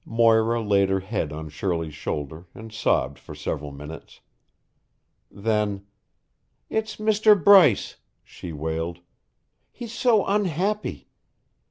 Moira laid her head on Shirley's shoulder and sobbed for several minutes. Then, "It's Mr. Bryce," she wailed. "He's so unhappy.